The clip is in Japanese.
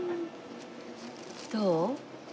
どう？